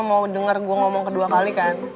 lo cuma mau denger gue ngomong kedua kali kan